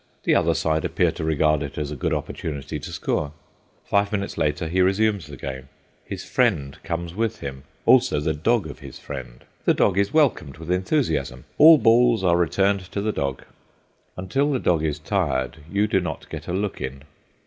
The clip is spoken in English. The other side appear to regard it as a good opportunity to score. Five minutes later he resumes the game. His friend comes with him, also the dog of his friend. The dog is welcomed with enthusiasm; all balls are returned to the dog. Until the dog is tired you do not get a look in.